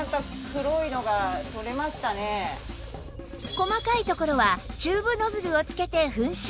細かいところはチューブノズルを付けて噴射